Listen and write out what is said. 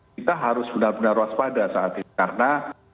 kita harus benar benar waspada saat ini karena